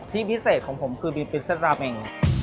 ที่พิเศษของผมคือบีเป็นเส้นราเมง